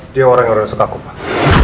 dia orang orang yang suka aku pak